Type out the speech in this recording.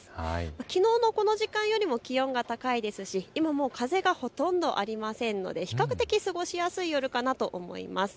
きのうのこの時間よりも気温は高いですし、今も風はほとんどありませんので比較的過ごしやすい夜かなと思います。